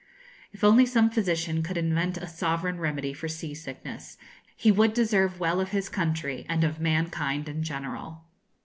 If only some physician could invent a sovereign remedy for sea sickness, he would deserve well of his country, and of mankind in general.